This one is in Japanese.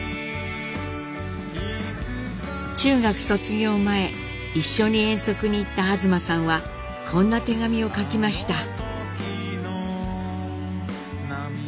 中学卒業前一緒に遠足に行った東さんはこんな手紙を書きました。